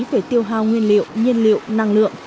về tiêu hào nguyên liệu nhiên liệu năng lượng